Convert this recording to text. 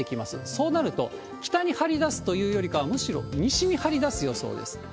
そうなると、北に張り出すというよりかは、むしろ西に張り出す予想です。